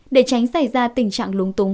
để tránh xảy ra tình trạng lung tung